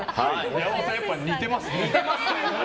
山本さん、やっぱり似てますね。